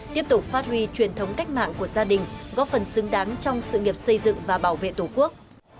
tiếp tục phát huy truyền thống cách mạng của gia đình góp phần xứng đáng trong sự nghiệp xây dựng và bảo vệ tổ quốc